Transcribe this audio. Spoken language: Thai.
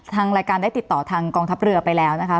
ทางรายการได้ติดต่อทางกองทัพเรือไปแล้วนะคะ